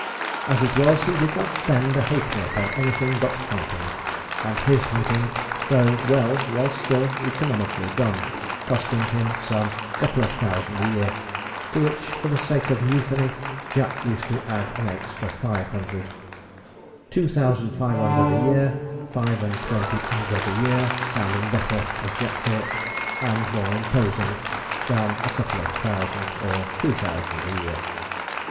As it was, he did not spend a halfpenny upon anything but hunting; and his hunting, though well, was still economically done, costing him some couple of thousand a year, to which, for the sake of euphony, Jack used to add an extra five hundred; 'two thousand five under'd a year, five and twenty under'd a year,' sounding better, as Jack thought, and more imposing, than a couple of thousand, or two thousand, a year.